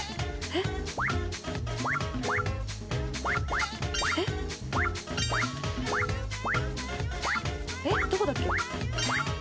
えっ⁉どこだっけ？